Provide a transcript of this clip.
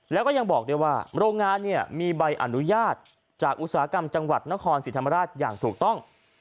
แล้วก็ยังบอกด้วยว่าโรงงานเนี่ยมีใบอนุญาตจากอุตสาหกรรมจังหวัดนครศรีธรรมราชอย่างถูกต้อง